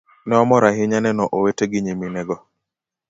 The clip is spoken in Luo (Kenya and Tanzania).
Ne wamor ahinya neno owete gi nyiminego.